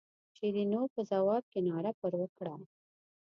شیرینو په ځواب کې ناره پر وکړه.